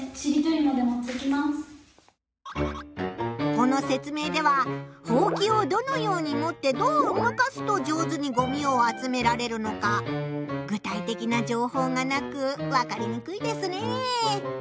この説明ではほうきをどのように持ってどう動かすと上手にごみを集められるのか具体的な情報がなく分かりにくいですね。